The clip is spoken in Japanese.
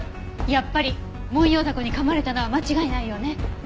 やっぱりモンヨウダコに噛まれたのは間違いないようね。